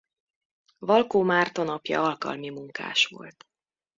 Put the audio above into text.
Valkó Márton apja alkalmi munkás volt.